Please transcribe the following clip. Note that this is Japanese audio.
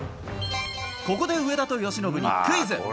ここで上田と由伸にクイズ。